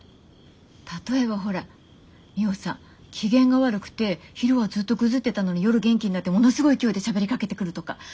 例えばほらミホさん機嫌が悪くて昼はずっとグズってたのに夜元気になってものすごい勢いでしゃべりかけてくるとか。